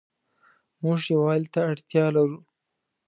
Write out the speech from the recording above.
موږ يووالي ته اړتيا لرو